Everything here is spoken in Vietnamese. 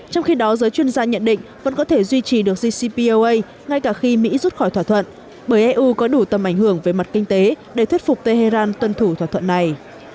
trong khi đó giới chuyên gia nhận định vẫn có thể duy trì được gcpoa ngay cả khi mỹ rút khỏi thỏa thuận bởi eu có đủ tầm ảnh hưởng về mặt kinh tế để thuyết phục tehran tuân thủ thỏa thuận này